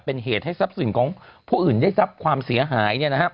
เป็นเหตุให้ทรัพย์สินของผู้อื่นได้รับความเสียหาย